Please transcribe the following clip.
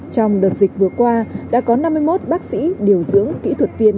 trong đợt dịch vừa qua đã có năm mươi một bác sĩ điều dưỡng kỹ thuật viên